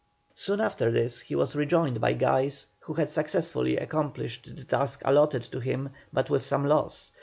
Soon after this he was rejoined by Guise, who had successfully accomplished the task allotted to him, but with some loss.